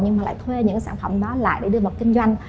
nhưng lại thuê những sản phẩm đó lại để đưa vào kinh doanh